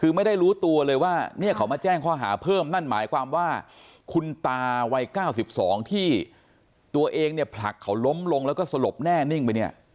คือไม่ได้รู้ตัวเลยว่าเนี่ยเขามาแจ้งข้อหาเพิ่มนั่นหมายความว่าคุณตาวัย๙๒ที่ตัวเองเนี่ยผลักเขาล้มลงแล้วก็สลบแน่นิ่งไปเนี่ย